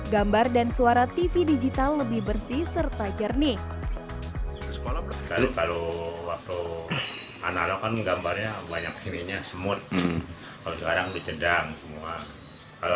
kalau kalau waktu analog kan gambarnya banyak kirinya semut orang orang dicendang semua kalau